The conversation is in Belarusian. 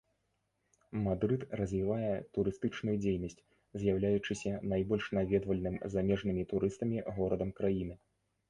Мадрыд развівае турыстычную дзейнасць, з'яўляючыся найбольш наведвальным замежнымі турыстамі горадам краіны.